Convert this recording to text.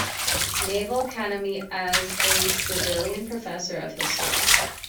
Naval Academy as a civilian professor of history.